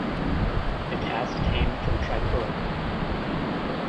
The cast came from Tripura.